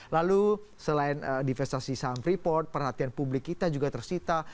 lalu selain divestasi saham freeport perhatian publik kita juga tersita